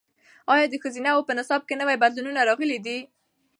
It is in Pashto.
ایا د ښوونځیو په نصاب کې نوي بدلونونه راغلي دي؟